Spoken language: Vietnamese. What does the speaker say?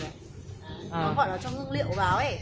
nó gọi là cho hương liệu vào ý